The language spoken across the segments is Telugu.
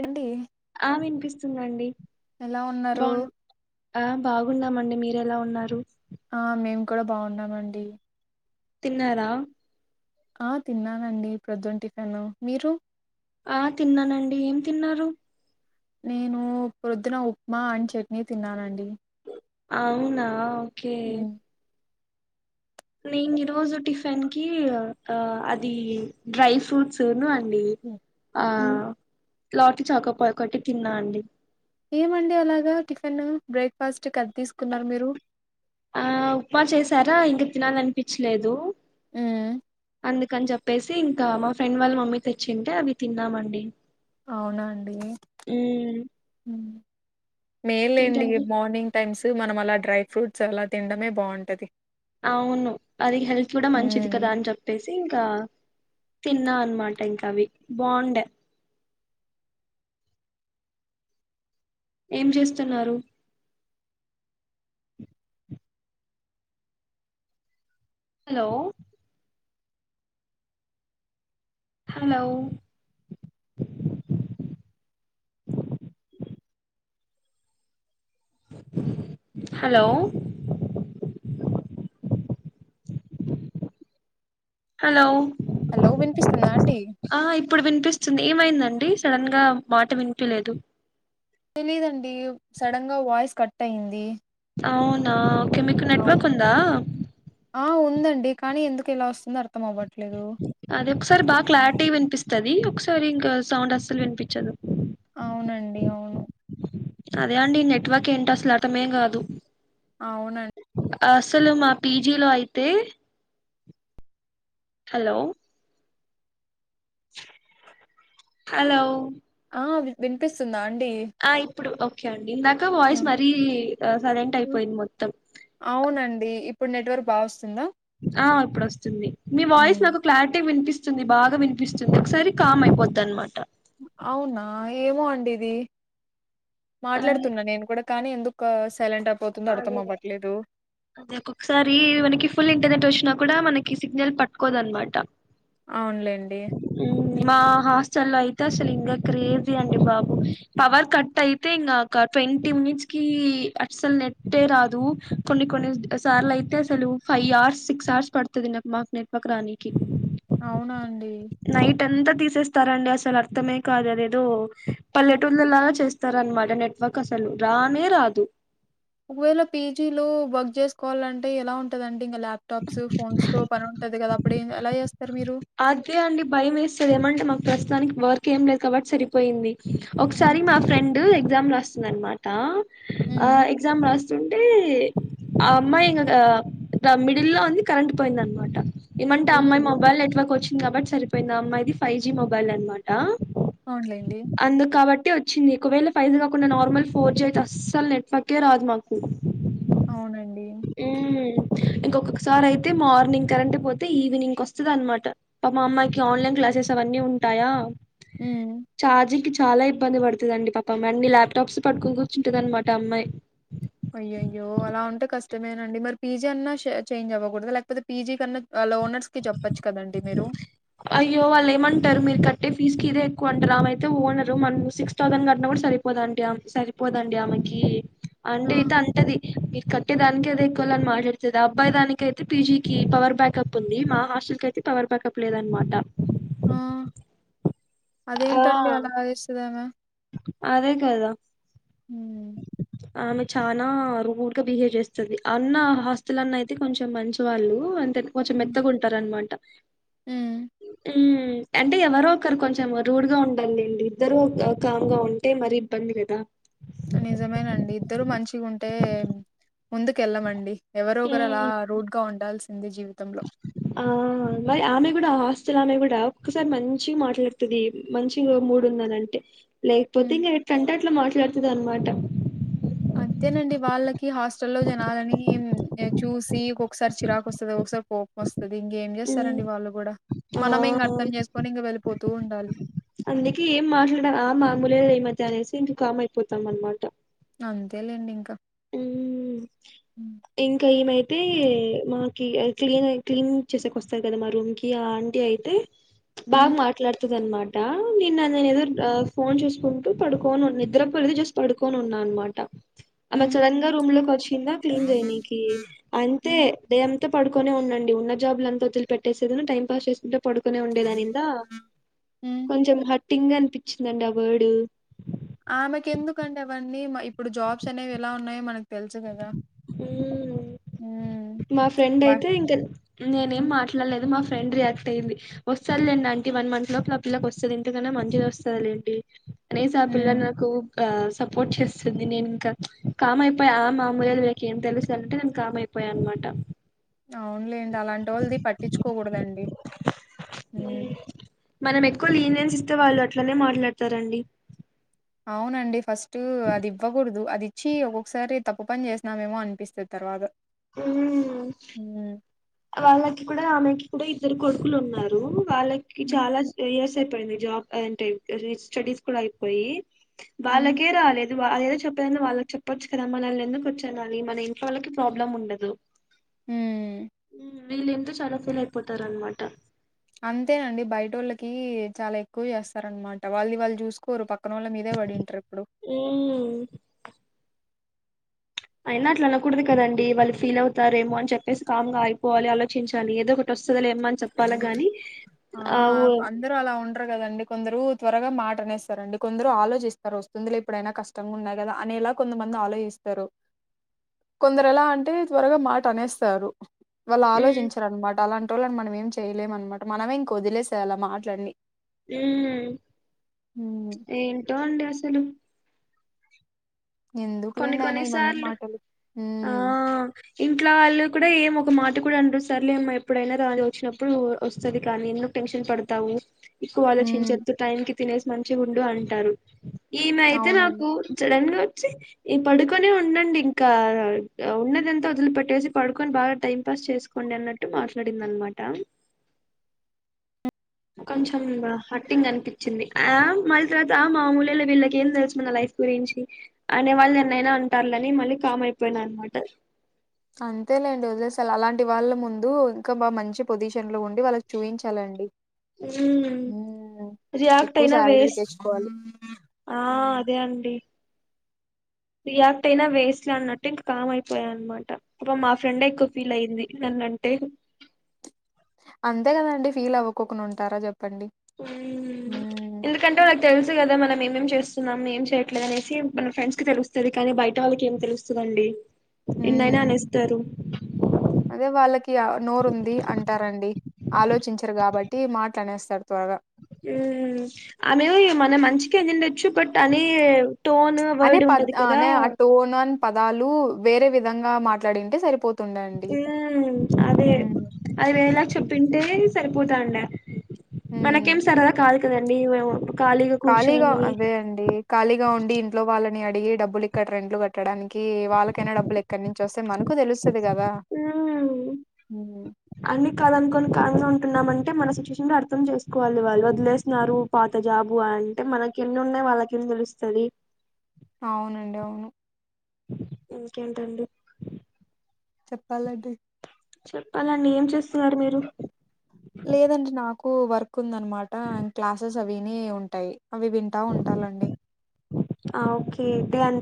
ఎండీ ఆ విన్పిస్తుందండి ఎలా ఉన్నారు బాగున్ ఆ బాగున్నామండి మీరెలా ఉన్నారు? ఆ మేం కూడా బాగున్నామండి. తిన్నారా? ఆ తిన్నానండి ప్రొద్దున్ టిఫిన్ మీరు ఆ తిన్నానండి, ఏం తిన్నారు? నేనూ పొద్దున ఉప్మా అండ్ చట్నీ తిన్నానండి. అవునా ఓకే హ్మ్. నేన్ ఈరోజు టిఫెన్కి ఆ అది డ్రై ఫ్రూట్స్ను అం ఆ హ్మ్. లాటీ చాకపాయి ఒకటి తిన్నా అండి. ఏమండి అలాగా టిఫిన్ బ్రేక్ఫాస్ట్ అద్ తీస్కున్నారు మీరు? ఆ ఉప్మా చేసారా ఇంక తినాలనిపిచ్చలేదు. మ్ అందుకన్ చెప్పేసి ఇంకా మా ఫ్రెండ్ వాళ్ళ మమ్మీ తెచ్చింటే అవి తిన్నామండి. అవునండి. ఉమ్ మేల్లెండి ఇంకేంటండి మార్నింగ్ టైమ్స్ మనం అలా డ్రై ఫ్రూట్స్ అలా తినడమే బాగుంటది. అవును అది హెల్త్ గుడా మంచిది కదా అన్ చెప్పేసి ఇంకా తిన్నా అన్మాట ఇంక అవి బాగుండే ఏం చేస్తున్నారు? Hello! Hello! Hello? Hello! Hello వినిపిస్తుందా అండి ఆ ఇప్పుడు విన్పిస్తుంది ఏమైంద డి సడన్గా మాట విన్పియలేదు. తెలీదండి సడన్గా వాయిస్ కట్ అయింది. అవునా ఓకే మీక్ అవు నెట్వర్క్ ఉందా? ఉంది కానీ ఎందుకిలా వస్తుందో అర్థం అవ్వట్ అది ఒక్సారి బాగా క్లారిటీ విన్పిస్తది ఒకసారి ఇంకా సౌండ్ అస్సల్ వినిపిచ్చదు. అవునండి అవును అదే అండి నెట్వర్క్ ఏంటసలు అర్థమే గాదు. అవునం అసలు మా పీజీలో అయితే హలో! హలో! ఆ విన్పిస్తుందా అండీ ఆ ఇప్పుడు ఓకే అండి ఇందాక వాయిస్ మరీ అ సైలెంట్ హ్మ్. అయిపోయింది మొత్తం. ఇప్పుడ్ నెట్వర్క్ బాగొస్ ఆ ఇప్పుడు వస్తుంది మీ వాయిస్ హ్మ్. నాకు క్లారిటీ విన్పిస్ తుంది బాగా విన్పిస్తుంది ఒకసారి కామ్ అయిపోద్దన్మాట. అవునా ఏమో అండి ఇది మాట్లాడుతున్న నేను కూడా కానీ ఎందుకాస్ అదే అదే ఒక్కొక్సారీ మనకి ఫుల్ ఇంటర్నెట్ వచ్చినప్ కూడా మనకి సిగ్నల్ పట్టుకోదన్మాట. అవున్లెండి. మా హాస్టల్లైతే అసల్ ఇంకా క్రేజీ అండి బాబు పవర్ కట్ అయితే ఇంగ కట్ ట్వంటీ మినిట్స్కీ అస్సల్ నెట్టే రాదు కొన్ని కొన్ని సార్లైతే అసలు ఫైవ్ అవర్స్ సిక్స్ అవర్స్ పడుతది నాకు మాక్ నెట్వర్క్ రాణికి అవునా అండి నైట్ అంత తీసేస్తారండి అసల్ అర్థమే కాదు అదేదో హ్మ్. పల్లెటూల్లలాగా చేస్ స్తరన్మాట నెట్వర్క్ అసలు రానే రాదు. ఒకవేళ పీజీలో వర్క్ చేసుకోవాలంటే ఎలా ఉంటదం ఇంకా ల్యాప్టాప్స్, ఫోన్స్తో పనుంటది కదా అప్పుడ్ ఏం ఎలా చేస్ అదే అండి భయమేస్తది ఏమంటే మాకు ప్రస్తుతానికి వర్క్ ఏం లేదు కాబట్టి సరిపోయింది. హ్మ్ ఒక్సారి మా ఫ్రెండ్ ఎగ్జామ్ రాస్తుందన్మాటా ఆ హ్మ్ ఎగ్జామ్ రాస్ తుంటే ఆ అమ్మాయి ఇంగగా ఆ మిడిల్లో ఉంది కరెంట్ పోయిందన్మాట. ఏమంటే అమ్మాయి అయ్యయ్యో మొబైల్ నెట్వర్క్ వచ్చింది కాబట్ సరిపోయింది ఆ అమ్మాయిది ఫైవ్ జీ మొబైలన్మాట. అవున్లెండి. వచ్చింది ఒకవేళ ఫైవ్ జీ కాకుండా నార్మల్ ఫోర్ జీ అయితే అస్సల్ నెట్వర్కే రాదు మాకు అవునండి ఇంకొకొకసార్ అయితే మార్నింగ్ కరెంట్ పోతే ఈవినింగ్ కొస్తదన్మాట. పాపం ఆ అమ్మాయికి ఆన్లైన్ క్లాసెస్ అవన్నీ ఉంటాయా హ్మ్. చార్జింగ్ కిచ్ చాలా ఇబ్బంది పడుతదండి పాపం అన్ని ల్యాప్టాప్స్ పట్టుకొని కూర్చుంటదన్మాట అమ్మాయి అయ్యయ్యో అలా ఉంటే కష్టమేనండి మరి పీజీ అన్నా చే చేంజ్ అవ్వకూడద లేకపోతే పీజీ కన్నా లోన్ అయ్యో వాళ్ళేమంటరు మీరు కట్ టే ఫీజ్కి ఇదే ఎక్కువ అంటర్ ఆమైతే ఓనరు మనం సిక్స్ థౌండ్ కట్టిన గుడా సరిపోద్ ఆంటీ సరిపోదండి ఆమె ఆ! అంటే గిత అంటది. కట్టే దానికి అది ఎక్కువలె అని మాట్లాడ్తది అబ్బాయి దానికైతే పీజీకి పవర్ బ్యాకప్ ఉం ది మా హాస్టల్కైతే పవర్ బ్యాకప్ లేదన్మాట. ఆ ఆ! అదేంటండి అలా చేస్తద్ ఆమె అదే కదా ఉమ్ ఆమె చానా రూడ్గ బిహేవ్ చేస్తది. అన్న హాస్టల్ అన్న అయితే కొంచం మంచివాళ్ళు కొంచం హ్మ్. మెత్త గుంటరన్మాట. హ్మ్. మ్ అంటే ఎవరో ఒకరు కొంచం రూడ్గా ఉండాలెండి ఇద్దరు కామ్గా ఉంటే మరి ఇబ్బంది కదా నిజమేనండి ఇద్దరు మంచిగుంటే ముందుకెళ్ళమండి. ఎవరో ఒకరలా హ్మ్. రోడ్గా ఉండాల్సిందే జీవి ఆ మ ఆమె గుడా హాస్టల్ ఆమె గుడా ఒక్కసారి మంచిగ మాట్లాడ్తది. మంచిగా మూడ్ హ్మ్. ఉందనంటే లేకపోతే హ్మ్. ఇంకా ఎట్లంటే అట్ల మాట్లాడుతది అన్మాట. అంతేనండి వాళ్ళకి హాస్టల్లో జనాలని చూసి ఒక్కొక్కసారి చిరాకు వస్తది ఒక్సార్ కోపం వస్ తది ఇంకేం హ్మ్. చేస్తరండి వాళ్ళు కూడా ఆ! మనమే ఇంక అర్థం చేస్కోని ఇంగ వెళ్ళిపోతూ ఉండాలి. అందుకే ఏం మాట్లాడా మామూలే ఈ మధ్యా అనేసి ఇంక కామైపోతాం అన్మాట. అంతేలెండి ఇంకా ఉమ్ హ్మ్. ఇంకా ఈమై తే మాకి క్లీన్ క్లీనింగ్ చేసేక్ వస్తర్ కదా మా రూమ్కి ఆ ఆంటీ అయితే బాగా హ్మ్. మాట్లాడ్తదన్మాట. నిన్న నేన్ ఏదో హ్మ్. ఫోన్ చూస్కుంటూ పడుకోన్ ఉన్ నిద్ర పోలేదు జస్ట్ పడుకోన్ ఉన్నా అన్నమాట. ఆమె హ్మ్. సడన్ గా రూమ్ లోకి వచ్చింద క్లీన్ చేయనికి అంతే హ్మ్. పడుకోనే ఉండండి ఉన్న జాబులు అంతా వదిలి పెట్టేదైనా టైం పాస్ చేసుకుంటా పడుకునే ఉండేదానిందా హ్మ్. కొంచెం హట్టింగ్ అనిపించిందండి ఆ వర్డు ఆమెకి ఎందుకండి అవన్నీ ఇప్పుడు జాబ్స్ అనేవి ఎలా ఉన్నాయో మనకు తెలుసు కదా వర్డ్ ఉమ్ మా ఫ్రెండ్ అయితే ఇంకా నేనేం హ్మ్. మాట్లాడలేదు మా ఫ్రెండ్ రియాక్ట్ అయింది వస్తందిలేండి అంటీ వన్ మంత్ లోపుల పిల్లకి వస్తుంది ఇందుకన్నా మంచిది వస్తుందింటి అనేసి ఆ పిల్ల హ్మ్. నాకు ఆ సపోర్ట్ చేస్తుంది నేను ఇంకా కామ్యిపోయాయి ఆ మామూల్యలు వీకి ఏం తెలుసాలంటే నేను కామ్యిపోయాయి అనమాట అట్ట అవునులేండి అలాంటి వొళ్ళుదీ పట్టించుకోకూడదండి మనం ఎక్కువ లీనియన్స్ ఇస్తే వాళ్ళు అట్లనే మాట్లాడతారండి అవునండి ఫస్ట్ అది ఇవ్వకూడదు అది చీ ఒక్కక్కసారి తప్పు పని చేసినమేమో అనిపిస్తుంది తర్వాత ఉమ్ హ్మ్. వాళ్ళకి కూడా ఆమెకి కూడా ఇద్దరు కొడుకులు ఉన్నారు వాళ్ళకి హ్మ్. చాలా ఇయర్స్ అయిపోయింది జాబ్ అంటే స్టడీస్ కూడా అయిపోయి హ్మ్. వాళ్లకే రాలేదు ఇది ఏదో చెప్పదో వాళ్ళకి చెప్పొచ్చు కదా మనల్ని ఎందుకు వచ్చేండ మన ఇంట్ వాళ్ళకి ప్రాబ్లమ్ ఉండదు ఉ వీళ్ళేంతో చాలా ఫీల్ అయిపోతారనమాట అంతేనండి బయట వాళ్ళకి చాలా ఎక్కువ చేస్తార అనమాట వాళ్లది వాళ్ళు చూసుకోరు పక్క పక్నోళ్ళ మీదే పడిడీటూరు ఇప్పుడు అయినా అట్లా అనకూడదు కదండి వాళ్ళు ఫీల్ అవుతారేమో అని చెప్పేసి కామ్ంగాగా అయిపోవాలి ఆలోచించాలి ఏదో ఒకటి వస్తంది ఆ అందరూ అలా ఉండరు కదండి కొందరు త్వరగా మాట అనేస్తారండి కొందరు ఆలోచిస్తారు వస్తుందిలే ఎప్పుడైనా కష్టంగా ఉన్నాయి కదా అనేలా కొంతమంది ఆలోచిస్త కొందరు ఎలా అంటే త్వరగా మాట అనేస్తారు వాళ్ళు ఉమ్, ఆలోచించార అనమాట అలాంటి వాళ్ళని మనం ఏం చేయలేమ అనమాట మనమే ఇంక వదిలేసేయి ఆ మాటలు అన్ని ఉ హ్మ్. ఏంటో అండి అసలు కొన్ని ఎందుకులేండి అయినా కొన్ని ఇవన్నీ సార్లు మాటలు. ఆ హ్మ్. ఇంట్లో వాళ్ళు కూడా ఏమ ఒక మాట కూడా అంట సార్లేమ్ ఎప్పుడైనా అది వచ్చినప్పుడు వస్తుంది కానీ ఎందుకు టెన్షన్ పడతావు ఎక్కువ హ్మ్. ఆలోచించదు టైం కి తినేసి మంచిగా ఉండు అంటారు ఈమె అయితే అవునండి. నాకు జడన్ గా వచ్చి ఈ పడుకొనే ఉండండి ఇంకా ఉన్నది ఎంతా వదిలిపెట్టేసి పడుకొని బాగా టైం పాస్ చేసుకోం అన్నట్టు మాట్లాడింద అనమాట కొంచెం హటింగ్ అనిపించింది ఆ మ తర్వాత మామూలులో వీళ్ళకి ఏం తెలిసింద లైఫ్ గురించి అనే వాళ్ళు ఎన్నైనా అంటారులని మళ్ళీ కామైపోయిన అనమాట అంతేలేండి వదిలేసలు అలాంటి వాళ్ళ ముందు ఇంకా బాగా మంచి పొజిషన్ లో ఉండి వాళ్ళకి చూపించాలండి ఉమ్ ఉ రియాక్ట్ అయినా వేస్ట్ ఆ హ్మ్. అదే అండి రియాక్ట్ అయినా వేస్ట్లా అన్నట్టు ఇంకా కామ్ అయిపోయాయి అనమాట అ మా ఫ్రెండే ఎక్కువ ఫీల్ అయింది నన్న టే అంతే కదండి ఫీల్ అవ్వకోకుడా ఉంటారా చెప్ ఎందుకంటే వాళ్కు తెలుసు కదా మనం ఏమేం చేస్తున్నాం ఏం చేయట్లేదు అనేసి మన ఫ్రెండ్స్ కి తెలుస్తుంది కానీ బయట వాళ్ళకి ఏం తెలుస్తుందండి మ్ అదే వాళ్ళకి ఆ నోరు ఉంది అంటారండి. ఆలోచించరు కాబట్టి మాట్లానేస్తారు త్వరగా మ్ ఆమె మన మంచికిందిండొచ్చు బట్ అని అనే ప అనే ఆ టోన్న్ పదాలు వేరే విధంగా మాట్లాడింటే సరిపో ఉమ్ అదే అది వేలాగా చెప్పింటే సరిపోతాండి హ్మ్. మనకేం సరదా కాదు కదండి మేము ఖాళీగా అదే అండి ఖాళీగా ఉండి ఇంట్లో వాళ్ళని అడిగి డబ్బులు ఇక్కడ రెంట్లు కట్టడానికి ఏమో వాళ్ళకైనా డబ్బులు ఎక్కడి నుంచి వస్తే మనకు తెలుస్తది కదా అ హ్మ్. అన్ని కాదనుకొని కామ్ గా ఉంటు అంటే మన సిచువేషన్ లో అర్థం చేసుకోవాలి వాళ్ళు వదిలేసినారు పాత జాబు అంటే మనకి ఎన్ని ఉన్నాయి వాళ్ళకి తెలుస్తది అవునండి అవును ఇంకేంటండి చెప్పాలండి చెప్పాలండి ఏం చేస్తున్నారు మీరు? లేదండి నాకు వర్క్ ఉంద అనమాట క్లాసెస్ అవనే ఉంటాయి. అవి వింటా ఉంటాలండి.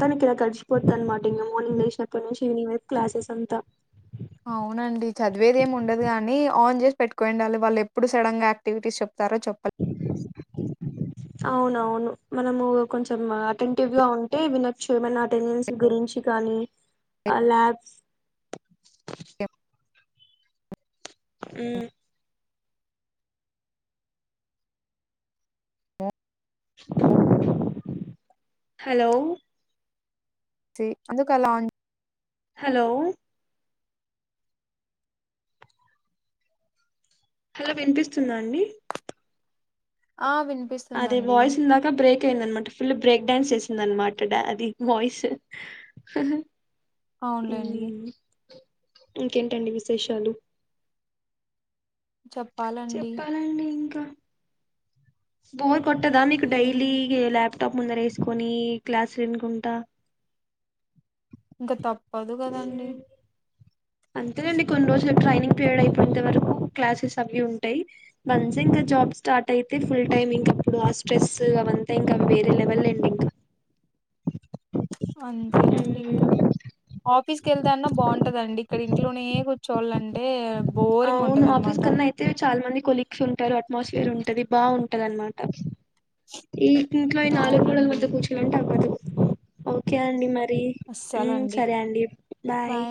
తనికి ఏ కలిసిపోతాది అనమాట ఇంగ మార్నింగ్ హ్మ్. లేసినప్పటినుంచి ఈవినింగే క్లాసస్ అంతా అవునండి చదివేది ఏమి ఉండదు గాని ఆన్ చేసి పెట్టుకో ఉండాలి. వాళ్ళు ఎప్పుడు సడన్ గా క్టివిటీస్ చెప్ అవునవును మనము కొంచెం అటెంటివ్ గా ఉంటే వినొచ్చు ఏమనా అటెండెన్స్ గురించిగా అని అలాబ్స్ ఎ అ హలో చి అందుకలాన్ హలో హలో వినిపిస్తుందా అండి? ఆ అదే వినిపిస్తుందండి వయిస్ ఇందాక బ్రే కేయింద అనమాట ఫుల్ బ్రేక్ డాన్స్ చేసింది అనమాట అది వాయిస్ హ్హ్ అవునులేండి ఉమ్ ఇంకేంటండి విశేషాలు? చెప్పాలండి చెప్పాలండి ఇంకా బోర్ కొట్టదా మీకు హ్మ్. డైలీ ఏలేబ్? ప్టాప్ ముందర వేసుకొని క్లాసు వినుకుంటా ఇంక తప్పదు కదండి అంతెండి కొన్ని రోజులు ట్రైనింగ్ పీరియడ్ అయిపోయనంత వరకు క్లాసెస్ అవి ఉంటాయి మంచిం క జాబ్ స్టార్ట్ అయితే ఫుల్ టైమ్ ఇంకప్పుడు ఆ స్ట్రెస్ అవంతా ఇంకా వేరే లెవెల్ అండి ఇంకా ఉమ్, దన్నా బావుంటదండి ఇక్కడ ఇంట్లోనే ఏ కూర్చోలంటే అవును ఆఫిస్ కన్నా అయితే చాల మంది కొలిక్స్ ఉంటారు, అట్మాస్ఫియర్ ఉంటది బావుంటది అనమాట. ఈ ఇంట్లో ఈ నాలుగు గూడలు అవునండి మద్య కూర్చోలంటే అవ్వదు ఓకే అండి మ రి మ్ అస్సలండి సరే అండి బాయ్